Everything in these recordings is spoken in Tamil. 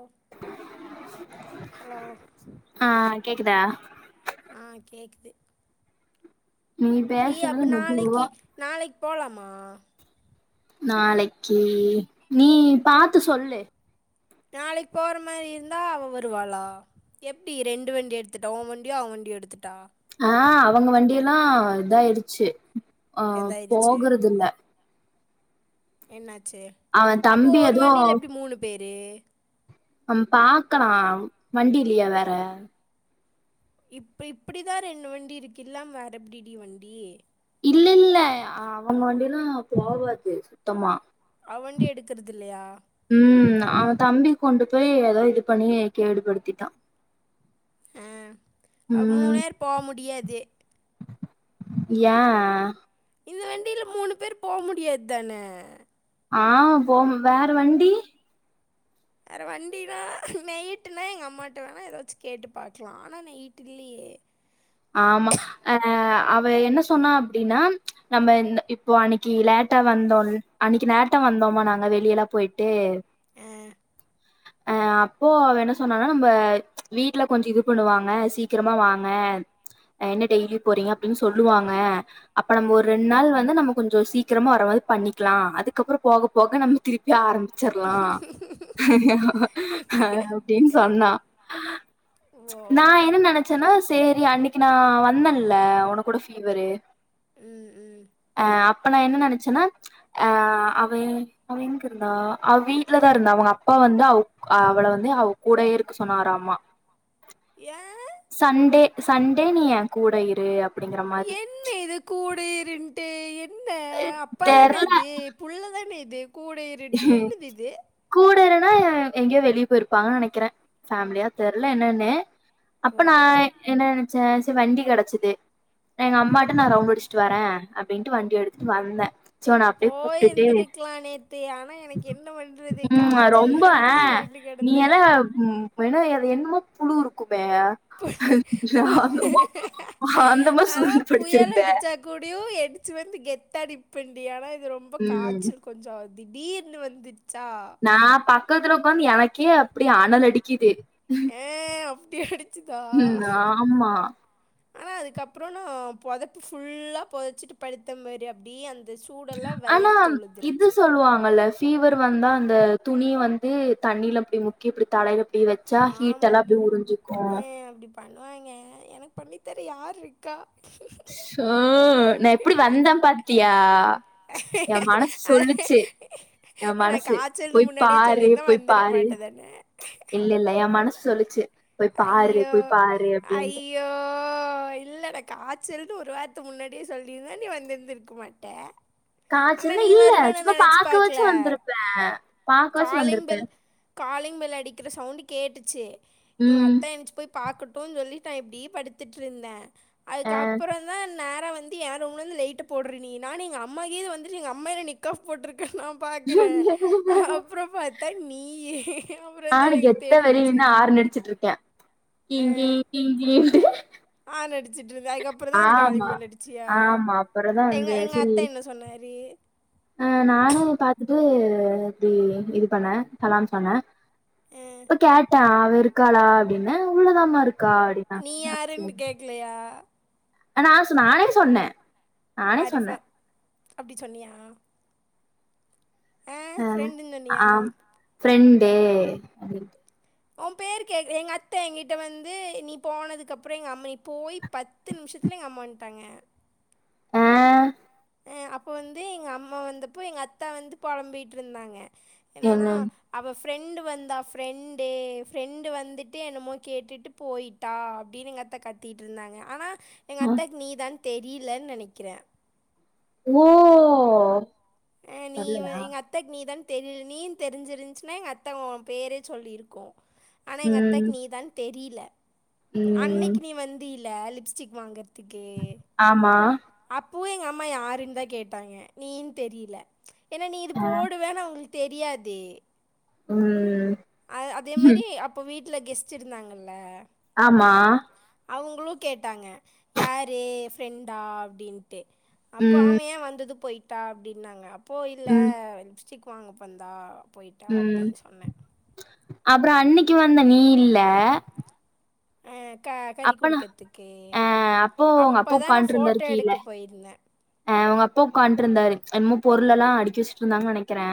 ஓ ஹலோ ஆ கேக்குதா ஆ கேக்குது நீ பேசுறது அப்ப நாளைக்கி மெதுவா நாளைக் போலாமா நாளைக்கி நீ பாத்து சொல்லு நாளைக் போற மாரி இருந்தா அவெ வருவாளா எப்டி ரெண்டு வண்டி எடுத்துட்டா உ வண்டியோ அவெ வண்டியோ எடுத்துட்டா ஆ அவங்க வண்டியிலா இதாயிடுச்சு ஆ எதாயிருச்சு போகுறது இல்ல என்னாச்சு அவ அப்போ தம்பி ஒரு ஏதோ வண்டியில எப்டி மூனு பேரு அம் பாக்கலா வண்டியிலியா வேற இப்ப இப்பிடிதா ரெண்டு வண்டி இருக்கில்லாம் வேற எப்டிடி வண்டி இல்ல இல்ல அவங்க வண்டியிலா போவாது சுத்தமா அவண்டி எடுக்கறதில்லையா ம் அவே தம்பி கொண்டு போய் எதோ இது பண்ணி கேடுபடுத்திட்டா அ அப் ம் மூனேர் போ முடியாதே ஏ இந்த வண்டில மூனு பேர் போ முடியாத்தானே ஆ போம் வேற வண்டி ஏற வண்டினா நைட்டுனா எங்க அம்மாட்ட வேணா எதாச்சு கேட்டு பாக்லா ஆனா நைட்டு் இல்லியே ஆமா அ அவெ என்ன சொன்னா அப்டினா நம்ம இந்த இப்போ அன்னைகி லேட்டா வந்தோல் அன்னைக்கி நேட்டா வந்தோமா நாங்க வெளியலாப் போயி்ட்டு அ அ அப்போ அ வெ என்ன சொன்னானா நம்ப வீட்ல கொஞ்சோ இது பண்ணுவாங்க சீக்கிரமா வாங்க அ என்ன டெய்லியுப் போறீங்க அப்டின் சொல்லுவாங்க அப்ப நம்ம ஒரு ம் ரெண் நாள் வந்து நம்ம கொஞ்சோ சீக்கிரமா வர மாது பண்ணிக்லா அதுக்கப்பறோ போகப் போக நம்ம திருப்பி ஆரம்பிச் சர்லா அப்டின் சொன்னா ஓ நா என்ன நெனச்சனா சேரி அன்னிக் நா வந்தல்ல ஒனக் கூட ஃபீவரு ம் ம் அ அப்ப நா என்ன நெனச்சனா அ அவெ அவெ எங்குருந்தா அவ் வீட்லதா இருந்தா அவுங்கப்பா வந்து அவுக் அவள வந்து அவக் கூடயே இருக்க சொன்னராமா ஏ சண்டே சண்டே நீ எங்கூட இரு அப்டிங்கிற மாதி என்ன இது கூட இருண்ட்டு என்ன அப்பாதான தெர்ல இது புள்ள தானே இது கூட இருன்ட்டு என்னது இது கூடருனா எங்யோ வெளிய் போயிருப்பாங்கன் நெனக்கிற ஃபேம்லியா தெர்ல என்னன்னு அப்ப ஓ நா என்ன நெனச்ச சே வண்டி கடைச்சிது எங்க அம்மாட்ட நா ரவுண்ட் அடிச்சிட்டு வரே அப்டின்ட்டு வண்டி எட்த்துட்டு வந்தே சோ நா போ அப்டியே கூப்ட்டுட்டு இந்துருக்லா நேத்து ஆ ந எனக்கு என்ன பண்றது ம் காய்ச்சல் வந்து சுருண்டு கடந்தே அப் ம் வேணா அது என்னுமோ புழு இருக்குமே பு ஜாதமா அந்தமா சுருண்டு படுத்துருந்த குடியு எடுச்சு வந்து கெத்த நிப்பண்டி ஆனா இது ரொம்ப ம் காசல்க்கு கொஞ்சோ திடீர்னு வந்துச்சா நா பக்கத்துல உக்காந் எனக்கே அப்டி அனல் அடிக்கிது ஏ அப்டி அடிச்சுதா ஆமா ஆனா அதுக்கப்புறோ நா பொதப்பு ஃபுல்லா பொதச்சிட்டு படுத்த மாரி அப்டி அந்த சூடெல்லாம் ஆனா வயர்த்து இது ஒழுதுருச்சு சொல்வாங்கல ஃபீவர் வந்தா அந்த துணிய வந்து தண்ணில அப்டி முக்கி இப்டி தலையில டி வச்சா ஹீட் எல்லா அப்டி உரிஞ்சுக்கு பண்ணுவாய்ங்க எனக்க பண்ணித்தர யார்ருக்கா ஆ நா எப்புடி வந்த பாத்தியா ஏ மனசு அது சொல்லுச்சு ஏ நான் மனசு காய்ச்சல்னு போய் முன்னாடியே பாரு சொல்லியிருந்தா போய் வந்திருக்க பாரு மாட்டேதானே இல்ல இல்ல ஏ மனசு சொல்லிச்சு போய் பாரு போய் பாரு அப்டின்ட்டு யோ ஒ இல்லல நா காச்சல்னு ஒரு வார்த்த முன்னாடியே சொல்லிருந்தா நீ வந்துந்துருக்க மாட்ட காச்சல்ன இல்ல சும்மா பாக்க வாச்சு பார்க்கல வந்ருப்ப காலிங் பெல் காலிங் பெல் அடிக்கிற சவுண்டு கேட்டுச்சு எங்க ம் அத்த எந்ச்சி போய் பாக்குட்டுன் சொல்லி நா இப்டியே படுத்துட்ருந்த அ அதுக்கப்புற தா நேரா வந்து ஏ ரூம்லேந்து லைட்டு போட்ற நீ நானு எங்க அம்மாக்கீது வந்துட்டு எங்க என்ன அம்மா என்ன நிக்ஆஃப் போட்ருக்கனா பாக்குறே அப்புற பாத்தா நீயி அப்புறந்தா எனக் தெரிஞ்ச்சு ஆர்ன் அடிச்சிட்ருக்கே கீங் கீங் கீங் கீங்ன்ட்டு ஆன் அடிச்சட்ருந்தே அதுக்கப்புறந்தா அந்த காலிங் ஆமா பெல் அடிச்சியா ஆமா அப்புறந்தா எங்க வந்து எங்க சரி அத்த என்ன சொன்னாரு அ நானு பாத்துட்டு இப்டி இது பண்ண கலாம் சொன்ன இப்ப கேட்ட அவ இருக்காளா அப்டின்னு உள்ளதாம்மா இருக் கா அடின்னா நீ யாருன்னு சேரி கேட்கலையா நா சு நானே சொன்ன ஆரிஃபா அப்டி சொன்னியா ஆ அ ஃப்ரெண்டுன்னு சொன்னியா ஆம் ஃப்ரெண்டு ஓம் பேரு கேக் எங்க அத்த எங்கிட்ட வந்து நீ போனதுகப்புற எங்க அம்மை போயி பத் த்து நிம்ஷத்துல எங் அம்மா வந்ட்டாங்க அ எ அப்ப வந்து எங்க அம்மா வந்தப்போ எங்க அத்த வந்து பொலம்பிட்ருந்தாங்க என்னனா என்னன் அவ ஃப்ரெண்டு வந்தா ஃப்ரெண்டே ஃப்ரெண்டு வந்துட்டு என்னமோ கேட்டுட்டு போயி டா அப்டினு எங்க அத்த கத்திட்ருந்தாங்க ஆனா எங்க அ அத்தக் நீ தான் தெரிலன் நெனக்கிற ஓ அ நீ வ தெர்லயா எங் அத் அத்தைக் நீதான் தெரில் நீன் தெரிஞ்சிருஞ்ச்னா எங்க அத்த ஓ பேரு சொல்லிருக்கு ஆனா எங்க ம் அத்தைக் நீ தான் தெரில ம் அன்னிகி நீ வந்தீல லிப்ஸ்டிக் வாங்கற்துக்கு ஆமா அப்பவு எங்க அம்மா யாருன்தா கேட்டாங்க நீன் தெரில ஏன்னா நீ இது அ போடுவேன் அவங்ளுக் தெரியாதே ம் அ அதே மாரி அப்போ வீட்ல கெஸ்டு இருந்தாங்கல்ல ஆமா அவங்ளு கேட்டாங்க யாரு ஃப்ரெண்டா அப்டின்ட்டு அப்போ ம் ஆம ஏ வந்தது போய்ட்டா அப்டின்னாங்க அப்போ இல்ல ம் லிப்ஸ்டிக் வாங்க வந்தா போய்ட்டா அப்டின் சொன்ன அப்ற அன்னிக்கி வந்த நீ இல்ல ஆ க கறி அப்பனா கொடுக்கறதுக்கு ஆ அப்போ உங்க அப்பா தான் நான் ஒக்காண்ட்ருந்தாரு ஃபோட்டோ கீழ எடுக்க போயிருந்தேன் அ உங்க அப்பா ஒக்காண்ட்ருந்தாரு என்மோ பொருளலா அடிக்கி வச்சிட்ருந்தாங் நெனக்கிறே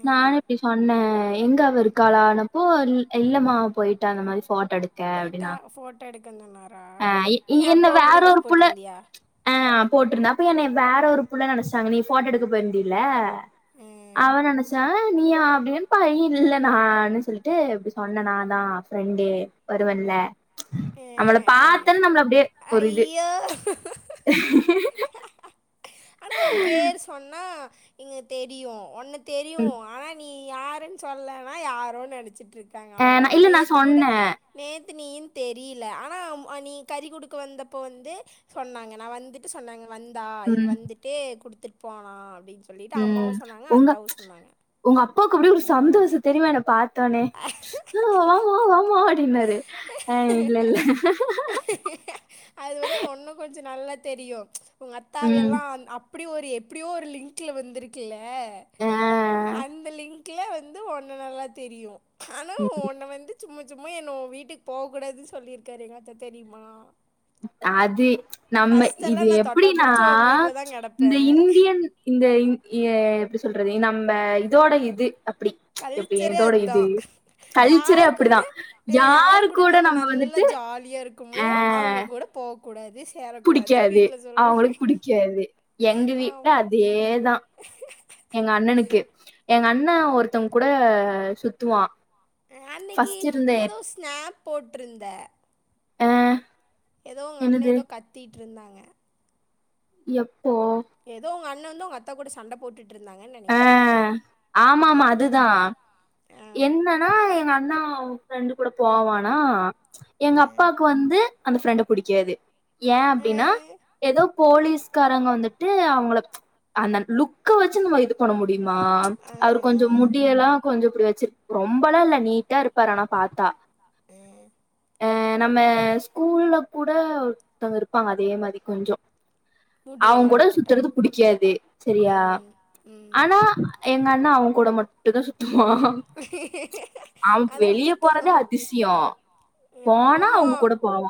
அஹ் நானு இப்டி சொன்னே எங்க அவ இருக்காளனப்போ இல் இல்லமா அவ போயிட்டா அந்த மாரி ஃபோட்டோ எடுத் போய்ட்டா ஃபோட்டோ எடுக்கனுன்னாரா ஆ எ நீ என்ன அப்போ வேற ஒரு மேக்காஃப் புள்ள போட்ருந்தியா ஆ போட்ருந்த அப்ப என்னைய வேற ஒரு புள்ள நெனச்டாங்க நீ போட்டோ எடுக்க போயிருந்தீல்ல அஹ் அவ நெனச்சா நீயா அப்டின் பா இல்ல நானு சொல்லிட்டு இப்டி சொன்னே நா தா ஃப்ரெண்டு வருவேல்ல நம்மள அஹ் பாத்தேன் நம்பள அப்டியே ஐயோ ஆனா ஊ பேரு சொன்னா இங்க தெரியு உன்ன தெரியு ம். ஆனா நீ யாருன் சொல்லனா யாரோ நெனச்சிட்ருக்காங்க அஹ் நான் அவ்ளோத இல்ல நான் நேத்து கூட சொன்னேன் நேத்து நீயின் தெரில ஆனா நீ கறி குடுக்க வந்தப்போ வந்து சொன்னாங்க நா வந்துட்டு சொன்னாங்க வந்தா இவ் ம், வந்துட்டு குடுத்துட் போனா அப்டின் சொல்லிடு ம். அம்மாவு சொன்னாங்க உங்க அத்தாவு சொன்னாங்க உங்க அப்பாவ்க்கு அப்டி ஒரு சந்தோஷ தெரியுமா என பாத்தாளே ஓ வாமா அப்டின்னாரு ஆ இல்லல்ல அது வந்து உன்ன கொஞ்ச நல்லா தெரியு உங் ம் அத்தாவயெல்லா அப் பிடி ஒரு எப்டியோ ஒரு லிங்க்ல்ல வந்துருக்குல்ல அஹ் அந்த லிங் க்ல்ல வந்து ஒன்ன நல்லா தெரியு ஆனா ம், ஒன்ன வந்து சும்ம சும்மா என்ன ஓ வீட்டுக் போகூடாதுன் சொல்லிருக்காரு எங்க அத்த தெரியுமா அது நம்ம ஃபஸ்ட்டெல்லா இது நா தொட்டா எப்பிடின்னா புடிச்சு உங்க வீட்ல தா இந்த கெடப்பே இந்தியன் இந்த இந் எ எப்டி சொல்றது நம்ப இதோட இது அப்டி கல்ச்சரே அத்தா கல்ச்சரே யார் கூட அப்படிதான் யார் கூட நம்ம நல்லா ஜாலியா இருக்குமோ ஆஹ் அவங்க கூட போக்கூடாது சேரக்கூடாதுன் புடிக்காது. வீட்ல சொல்லுவாங்க அவங்களுக்கு ஆமா இதேதா எங்க அண்ணனுக்கு எங்க அண்ணா ஒருத்தங் கூட சுத்துவா அன்னிகி ஏதோ ஸ்னாப் போட்டிருந்த அ எதோ உங்க அண்ணே என்னது எதோ கத்திட்டுருந்தாங்க எப்போ ஏதோ உங்க அண்ண வந்து உங்க அத்த கூட சண்ட போட்டுட் ருந்தாங்கன் அ நெனக்கிறே ஆமாமா ம் ம் அ ஆ எங்க அண்ணா அவுங்க ஃப்ரெண்டு கூட போவானா எங்க ஆ அப்பாக்கு வந்து அந்த ஃப்ரெண்ட புடிக்காது ஏ ஆ அப்டினா ஏதோ போலீஸ்காரங்க வந்துட்டு அவுங்கள அந்த லுக்க வச்சு நம்ம இது பண்ண முடியுமா ஆ அவர் கொஞ்சோ ஆ முட் முடி எல்லா கொஞ்சோ இப்டி வச்சிட் ரொம்பலா இல்ல நீட்டா இருப்பாரு ஆனா பாத்தா ம் அ நம்ம ஸ்கூல்ல கூட ஒருத்தவங்க இருப்பாங்க அதே மாரி கொஞ்சோ அவன் முடியெல்லாம் கூட விட்டுட்டா சுத்துறது புடிக்காது சரியா ம் ம் ஆனா எங்க அண்ண அவன் கூட மட் ட்டு தா சுத்துவா ஆ அது வெளிய போறதே அப்படித்தான் அதிசியோ போனா ஆமா அவுங்க கூட போவா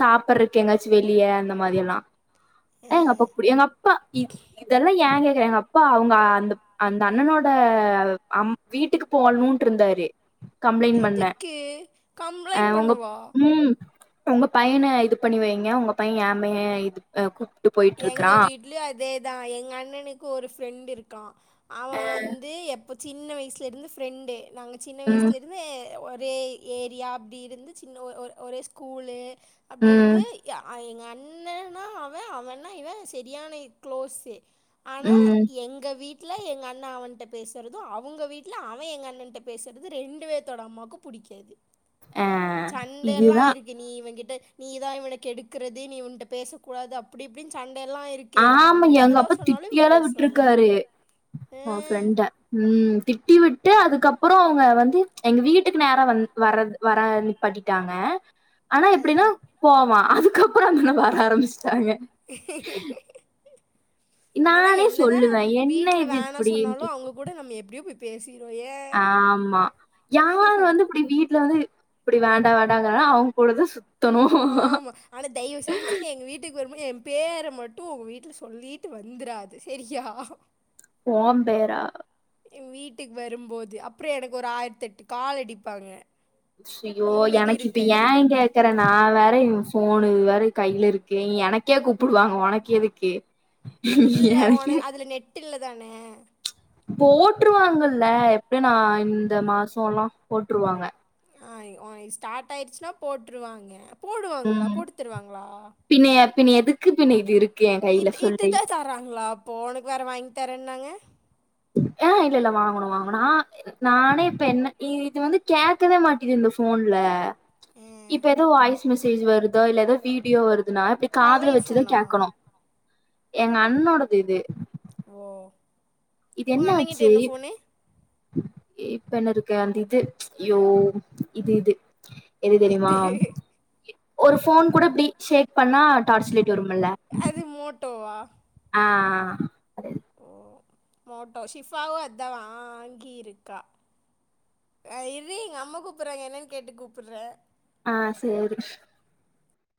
சாப்பிறக்கு எங்காச்சு வெளிய அந்த மாரி எல்லா எங்க அப்பா ம், புடி எங்க அப் ப்பா இதெல்லா ஏங்க எங்க அப்பா அவுங்க அந்த அண்ணனோட அம் வீட்டுக்கு போலுன் ட்டுருந்தாரு கம்ப்ளேன் பண்ண எதுக்கு அ கம்ப்ளைண்ட் உங்க பண்ணவா ம் உங்க பையன இது பண்ணி வைங்க உங்க பைய ஏ பைய இது கூப்ட்டு போயிட்டுருக்குறா இதுலியு அதேதா எங்க அண்ணனுக்கு ஒரு ஃபிரண்ட்டு இருக்கா அவன் வந்து எப் சின்ன வயசுல இருந்து ஃபிரெண்டு நாங்க சின்ன ம் வயசுல இப் இருந்து ஒரே ஏரியா அப்டி இருந்து சின்ன ஒ ஒரே ஸ்கூலு அப்டி ம் இருந்து எங்க அண்ணனா அவன் அவனா அவனா இவ சரியான குள்ளோஸு ஆனா ம் எங்க வீட் வீட்ல எங்க அண்ணா அவன்ட்ட பேசுறது அவுங்க வீட்டல அவன் எங்க அண்ணன்ட்ட பேசுறது ரெண்டு பேத்தோட அம்மாவுக்கு புடிக்காது ஆ சண்டயல்லா இதுதா ஆயிருக் கு நீ இவ கிட்ட நீதா இவக்கு கெடுக்குறது நீ இவன்ட்ட பேசக்கூடாது அப்டி இப்டின்னு சண்டயல்லா ஆயிருக் ஆமா எங்க அப்பா திட்டியல்லா விட்டுருக்காரு ஆ அவ ஃப்ரெண்ட ம் திட்டி விட்டு அதுக்கப்றோ அவுங்க வந்து எங்க வீட்டுக்கு நேரா வந் வர்றது வரா நிப்பாட்டிட்டாங்க ஆனா ஆ எப்டின்னா போவா அதுக்கப்றோ அந்த அண்ண வர ஆரம்பிச்சிட்டாங்க ஆனா நானே என்னதா சொல்லுவே என்ன வீட்ல இது வேணா சொன்னாலு இப்டின்ட்டு அவுங் கூட நம்ம எப்டியோ போய் பேசிருவோயே ஆமா யார் வந்து இப்டி வீட்ல வந்து இப்டி வேண்டா வேண்டாங்கன்னா அவுங்க கூடதா சுத் ஆமா ஆனா தயவு செஞ்சு நீ எங்க வீட்டுக்கு வருபோ எ பேர மட்டு உங்க வீட்ல சொல்லிட்டு வந்துராத செரியா ஓ பேரா எ வீட்டுக்கு வருபோது அப்றோ எனக்கு ஒரு ஆயிரத்து எட்டு கால் அடிப்பாங்க ஷியோ நிம்மதி எனக்கு இப்ப ஏ இருக்காது கேட் க்கற நா வேற ஃபோனு இது வேற கையில இருக்கு எனக்கே கூப்டுவாங்க உனக்கு எதுக்கு இல்ல எனக்கு உன அதுல நெட் இல்லதான போட்டுருவாங்கல்ல எப்டியு நா இந்த மாசோல்லா போட்டுருவாங்க ஆயி ஒயி ஸ்டார்ட் ஆயிடுச்சுன்னா போட்டுருவாங்க போடுவாங்களா ம் போட்டு தருவாங்களா பின்ன பின்ன எதுக்கு பின்ன இது இருக்கு எ கைல இது சொல்லு இதுதா சாப் பறாங்ளா அப்போ உனக்கு வேற வாங்கி தரேன்னாங்க ஆ இல்ல இல்ல வாங்கனு வாங்கனு ஆ நானே இப்ப என்ன இ இது வந்து கேக்கவே மாட்டிது இந்த ஃபோன்ல ஆ இப்ப ஏதோ வாய்ஸ் மெசேஜ் வருதோ இல்ல ஏதோ வீடியோ வரு துனா இப்டி காதுல பழைய வச்சுதா ஃபோனா கேக்கணு எங்க அண்ணோடது இது ஓ இது உங்கள் அண்ணங்கிட்ட என்னாச்சு என்ன ஃபோனு இப்ப என்ன இருக்கு அந்த இது யோ இது இது எது தெரிமா ஒரு ஃபோன் கூட இப்டி ஷேக் பண்ணா டார்ச் லைட் வரும்முல்ல எது மோட்டோவா ஆ ஓ மோட்டோ ஷிஃபாவு அதா வாங்கியிருக்கா ஆ இரு எங்க அம்மா கூப்பறாங்க என்னன் கேட்டு கூப்புற ஆ சேரி ஷ்